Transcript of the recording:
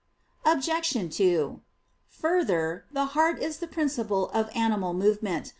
Obj. 2: Further, the heart is the principle of animal movement.